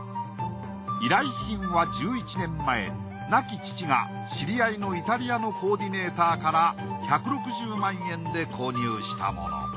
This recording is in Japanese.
依頼品は１１年前亡き父が知り合いのイタリアのコーディネーターから１６０万円で購入したもの。